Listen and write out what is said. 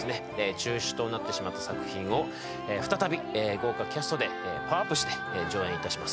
中止となってしまった作品を再び豪華キャストでパワーアップして上演いたします